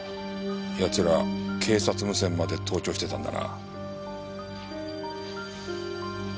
奴ら警察無線まで盗聴してたんだな。